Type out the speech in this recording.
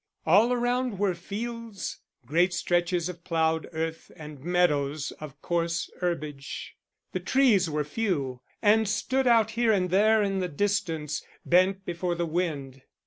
All around were fields, great stretches of ploughed earth and meadows of coarse herbage. The trees were few, and stood out here and there in the distance, bent before the wind.